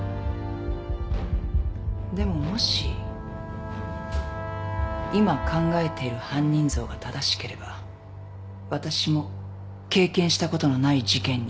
でももし今考えている犯人像が正しければわたしも経験したことのない事件になる。